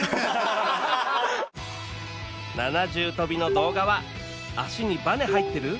７重跳びの動画は「足にバネ入ってる？」